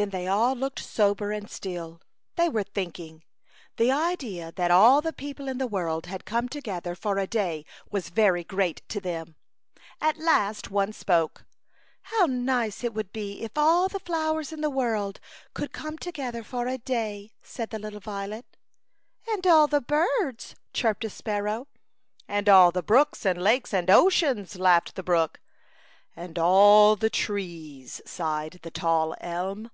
Then they all looked sober and still. They were thinking. The idea that all the people in the world had come together for a day was very great to them. 1 6 A Chautauqua Idyl. At last one spoke: " How nice it would be if all the flowers in the world could come to gether for a day," said the little violet. " And all the birds/' chirped a spar row. "And all the brooks and lakes and ocean,'* laughed the brook. "And all the trees,'* sighed the tall elm.